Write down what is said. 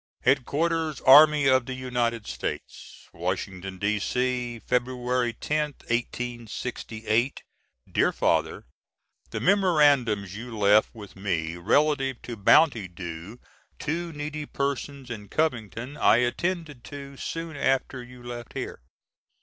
HEAD QUARTERS ARMY OF THE UNITED STATES Washington, D.C., Feby. 10th, 1868. DEAR FATHER: The memorandums you left with me relative to bounty due two needy persons in Covington I attended to soon after you left here.